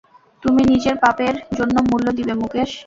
তুমি নিজের পাপের জন্য মূল্য দিবে মুকেশ।